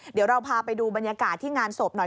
เดี๋ยวเราพาไปดูบรรยากาศที่งานศพหน่อย